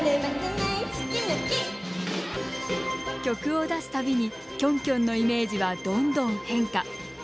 曲を出すたびにキョンキョンのイメージはどんどん変化。